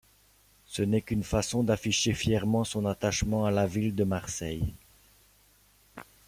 Ce n'est qu'une façon d'afficher fièrement son attachement à la ville de Marseille.